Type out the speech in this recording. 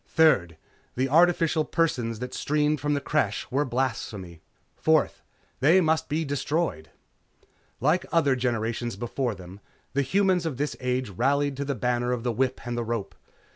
Third, the artificial persons that streamed from the Creche were blasphemy. Fourth, they must be destroyed. Like other generations before them, the humans of this age rallied to the banner of the whip and the rope.